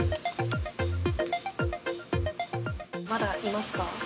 まだいますか？